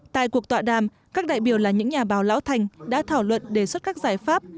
tại cuộc tọa đàm các đại biểu là những nhà báo lão thành đã thảo luận đề xuất các giải pháp